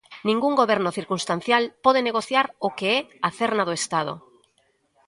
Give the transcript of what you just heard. Ningún goberno circunstancial pode negociar o que é a cerna do Estado.